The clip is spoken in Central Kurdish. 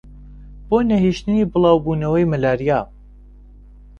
بۆ نەهێشتنی بڵاوبوونەوەی مەلاریا